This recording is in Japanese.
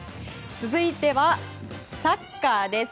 続いてはサッカーです。